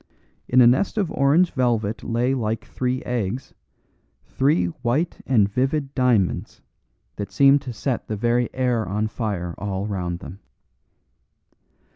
In a nest of orange velvet lay like three eggs, three white and vivid diamonds that seemed to set the very air on fire all round them.